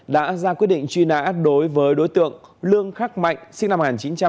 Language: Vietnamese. đã ra quyết định truy nã đối với đối tượng lương khắc mạnh sinh năm một nghìn chín trăm tám mươi